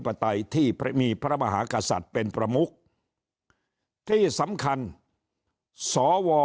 ไตยที่มีพระมหากษัตริย์เป็นประมุกที่สำคัญสว